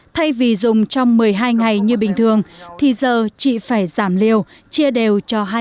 thay vì dùng trong một mươi hai ngày như bình thường thì giờ chị phải giảm liều chia đều cho hai